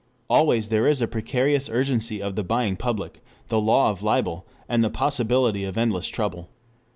Always there is the precarious urgency of the buying public, the law of libel, and the possibility of endless trouble.